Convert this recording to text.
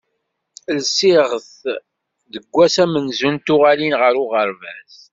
Lsiɣ-t deg wass amenzu n tuɣalin ɣer uɣerbaz.